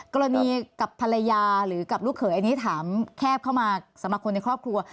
กรณีกับภรรยาหรือกับลูกเขยอันนี้ถามแคบเข้ามาสำหรับคนในครอบครัว